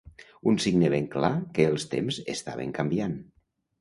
Un signe ben clar que els temps estaven canviant.